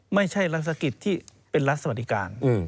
ไม่ใช่รัฐกิจที่เป็นรัฐสวัสดิการ